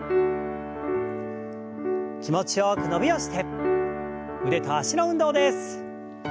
気持ちよく伸びをして腕と脚の運動です。